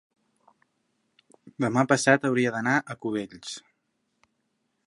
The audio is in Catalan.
demà passat hauria d'anar a Cubells.